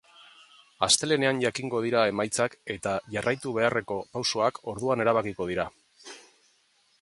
Astelehenean jakingo dira emaitzak eta jarraitu beharreko pausoak orduan erabakiko dira.